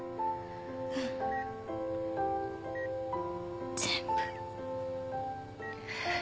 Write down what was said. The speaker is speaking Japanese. うん全部。